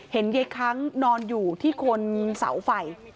เห็นเย็กค้างนอนอยู่ที่คนเสาไฝ